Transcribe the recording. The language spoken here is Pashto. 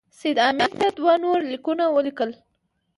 سید امیر ته دوه نور لیکونه ولیکل.